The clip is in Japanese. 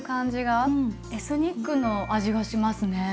エスニックの味がしますね。